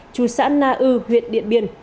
chủ xã na ư huyện điện biên